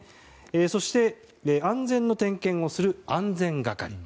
そして安全の点検をする安全係。